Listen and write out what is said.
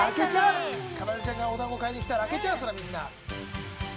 かなでちゃんが買いに来たら開けちゃうよ、みんな。